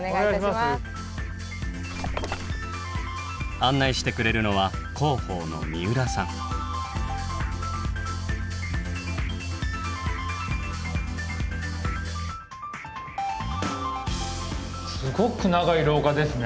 案内してくれるのはすごく長い廊下ですね。